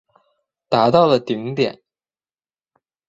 达到了顶点。